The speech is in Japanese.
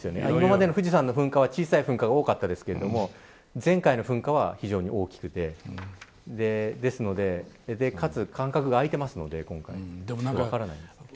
今までの富士山の噴火は小さい噴火が多かったですが前回の噴火は非常に大きくてですので、かつ間隔が空いているのでよく分からないんです。